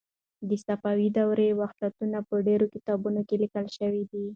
د صفوي دورې وحشتونه په ډېرو کتابونو کې لیکل شوي دي.